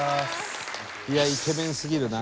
いやイケメンすぎるな。